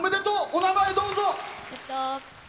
お名前どうぞ。